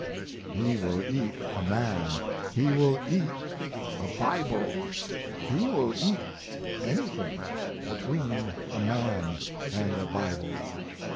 "He will eat a man, he will eat a Bible, he will eat anything between a man and a Bible."